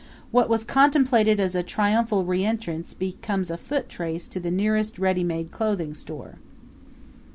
What was contemplated as a triumphal reentrance becomes a footrace to the nearest ready made clothing store.